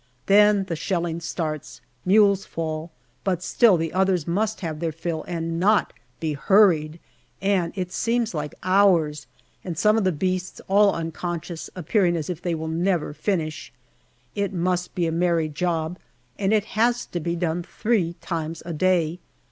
Then the shelling starts mules fall, but still the others must have their fill and not be hurried, and it seems like hours, and some of the beasts all unconscious appearing as if they will never finish. It must be a merry job and it has to be done three times a day.